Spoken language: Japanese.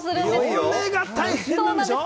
これが大変なんでしょ？